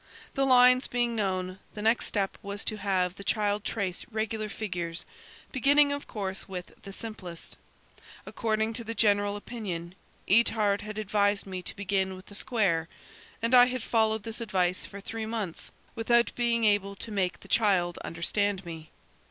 The lines being known, the next step was to have the child trace regular figures, beginning of course, with the simplest. According to the general opinion, Itard had advised me to begin with the square and I had followed this advice for three months, without being able to make the child understand me."